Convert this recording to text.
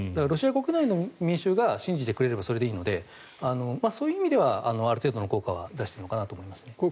ロシア国内の民衆が信じてくれればそれでいいのでそういう意味ではある程度の効果は出しているのかなと思いますね。